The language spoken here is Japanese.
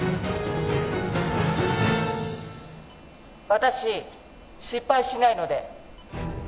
「私失敗しないので」